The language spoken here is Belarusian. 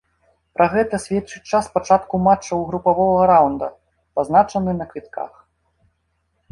Пра гэта сведчыць час пачатку матчаў групавога раўнда, пазначаны на квітках.